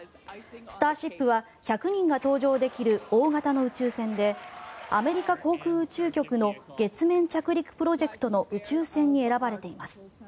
スターシップは１００人が搭乗できる大型の宇宙船でアメリカ航空宇宙局の月面着陸プロジェクトの宇宙船に選ばれています。